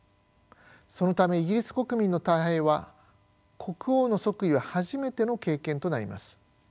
そのためイギリス国民の大半は国王の即位は初めての経験となります。